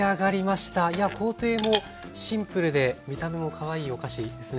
いや工程もシンプルで見た目もかわいいお菓子ですね。